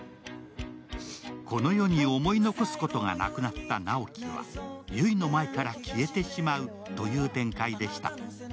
この世に思い残すことがなくなった直木は悠依の前から消えてしまうという展開でした。